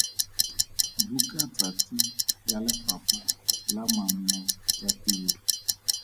Bukatsatsi ya Lefapha la Manno ya Tiro.